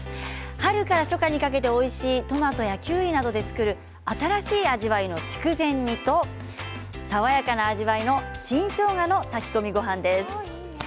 春から初夏にかけておいしいトマトやきゅうりなどで作る新しい味わいの筑前煮と爽やかな味わいの新しょうがの炊き込みごはんです。